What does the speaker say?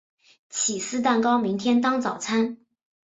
起司蛋糕明天当早餐